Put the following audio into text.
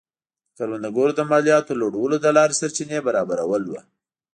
د کروندګرو د مالیاتو لوړولو له لارې سرچینې برابرول و.